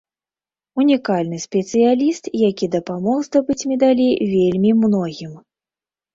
Унікальны спецыяліст, які дапамог здабыць медалі вельмі многім.